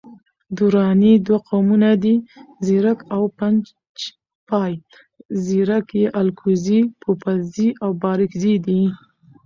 دراني دوه قومه دي، ځیرک او پنجپای. ځیرک یي الکوزي، پوپلزي او بارکزي دی